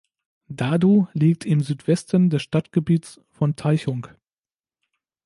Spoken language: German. Dadu liegt im Südwesten des Stadtgebiets von Taichung.